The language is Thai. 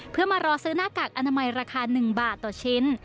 เพื่อมารอซื้อหน้ากากอนามัยราคา๑บาทต่อชิ้น